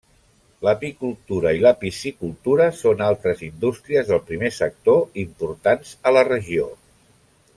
L'apicultura i la piscicultura són altres indústries del primer sector importants a la regió.